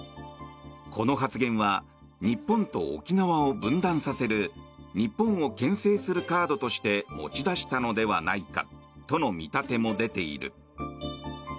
この発言は日本と沖縄を分断させる日本を牽制するカードとして持ち出したのではないかとの見立ても出ている。